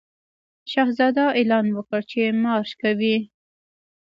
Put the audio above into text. شهزاده اعلان وکړ چې مارش کوي.